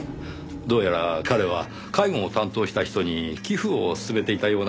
どうやら彼は介護を担当した人に寄付を勧めていたようなんです。